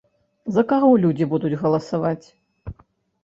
За каго людзі будуць галасаваць?